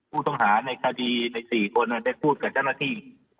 ผู้ต้องหาในคดีใน๔คนได้พูดกับเจ้าหน้าที่